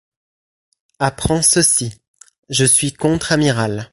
Apprends ceci : je suis contre-amiral.